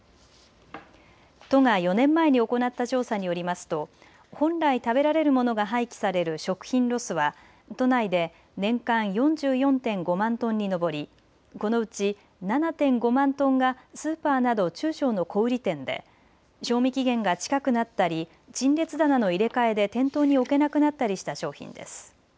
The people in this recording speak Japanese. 都が４年前に行った調査によりますと本来食べられるものが廃棄される食品ロスは都内で年間４４．５万トンに上りこのうち７．５万トンがスーパーなど中小の小売店で賞味期限が近くなったり陳列棚の入れ替えで店頭に置けなくなったりした商品です。